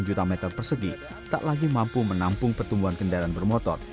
dua puluh juta meter persegi tak lagi mampu menampung pertumbuhan kendaraan bermotor